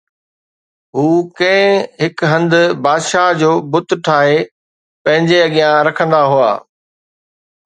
هو ڪنهن هنڌ بادشاهه جو بت ٺاهي پنهنجي اڳيان رکندا هئا